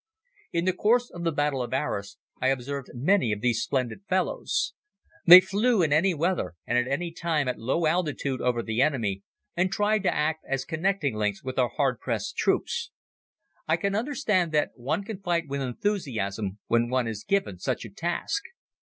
In the course of the Battle of Arras I observed many of these splendid fellows. They flew in any weather and at any time at a low altitude over the enemy and tried to act as connecting links with our hard pressed troops. I can understand that one can fight with enthusiasm when one is given such a task.